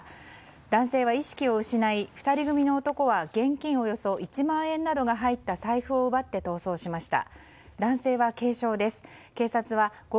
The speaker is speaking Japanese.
男性は意識を失い、２人組の男は現金およそ１万円などが入った財布を奪って逃走しました。